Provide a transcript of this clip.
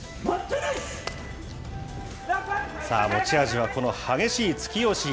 さあ、持ち味はこの激しい突き押し。